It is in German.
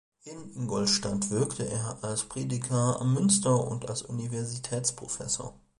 In Ingolstadt wirkte er als Prediger am Münster und als Universitätsprofessor.